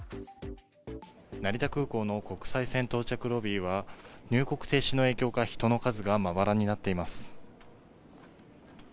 成田空港の国際線到着ロビーは入国停止の影響か人の数がまばらになっています。